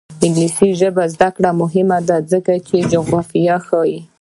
د انګلیسي ژبې زده کړه مهمه ده ځکه چې جغرافیه ښيي.